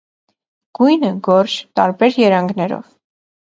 Գույնը՝ գորշ, տարբեր երանգներով։